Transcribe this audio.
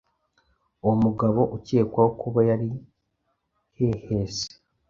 Uwo mugabo ukekwaho kuba yari hehese